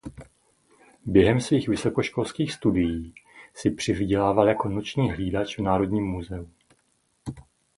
Během svých vysokoškolských studií si přivydělával jako noční hlídač v Národním muzeu.